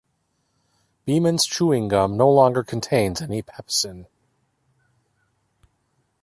Beemans Chewing Gum no longer contains any pepsin.